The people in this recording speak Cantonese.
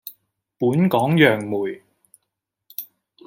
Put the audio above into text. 本港楊梅